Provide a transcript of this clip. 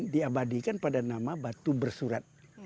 diabadikan pada nama batu bersurat